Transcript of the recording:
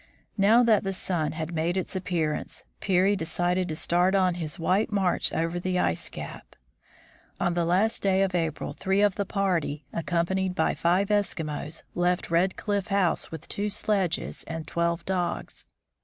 Now that the sun had made its appearance, Peary decided to start on his white march over the ice cap. On the last day of April three of the party, accompanied by five Eskimos, left Red Cliff House with two sledges and twelve dogs.